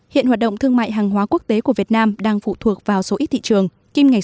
hiện hoạt động thương mại hàng hóa quốc tế của việt nam đang phụ thuộc vào số ít thị trường